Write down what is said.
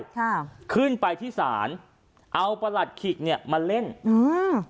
ค่ะขึ้นไปที่ศาลเอาประหลัดขิกเนี้ยมาเล่นอืม